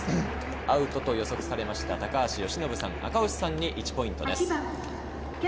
アウトと予測された由伸さんと赤星さんに１ポイントです。